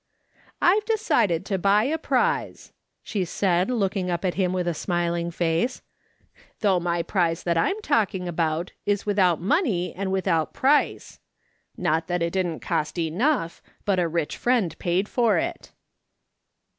" I've decided to buy a prize,''' she said, looking up at him with a smiling face ;" though my prize that I'm talking about is without money and without price. Not that it didn^t cost enough, but a rich friend paid for it."